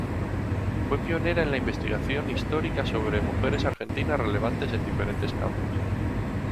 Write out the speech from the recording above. Fue pionera en la investigación histórica sobre mujeres argentinas relevantes en diferentes campos.